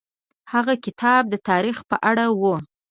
هغه کتاب د تاریخ په اړه و.